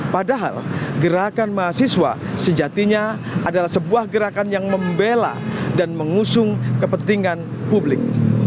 padahal gerakan mahasiswa sejatinya adalah sebuah gerakan yang membela dan mengusung kepentingan publik